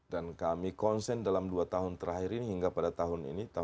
dan kami concern dalam dua tahun terakhir ini hingga pada tahun ini